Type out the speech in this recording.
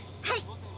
はい。